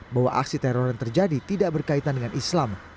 bahwa aksi teror yang terjadi tidak berkaitan dengan islam